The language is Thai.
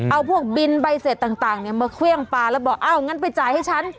เอาพวกบินใบเสร็จต่างมาเครื่องปลาแล้วบอกอ้าวงั้นไปจ่ายให้ฉัน